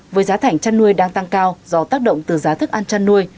với giá thảnh chăn nuôi đang tăng cao do tác động từ giá thức ăn chăn nuôi